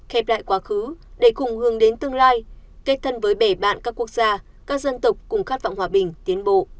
khép lại quá khứ để cùng hướng đến tương lai kết thân với bể bạn các quốc gia các dân tộc cùng khát vọng hòa bình tiến bộ